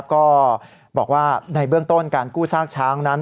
ก็บอกว่าในเบื้องต้นการกู้ซากช้างนั้น